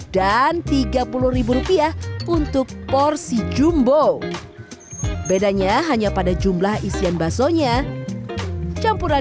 dan juga cara belanja the